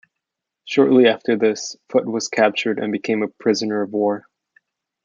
Shortly after this, Foote was captured and became a prisoner of war.